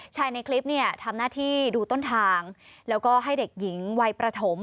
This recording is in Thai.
ในคลิปเนี่ยทำหน้าที่ดูต้นทางแล้วก็ให้เด็กหญิงวัยประถม